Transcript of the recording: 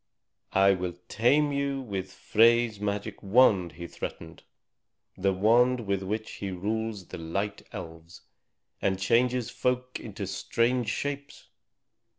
"I will tame you with Frey's magic wand!" he threatened, "the wand with which he rules the Light Elves, and changes folk into strange shapes.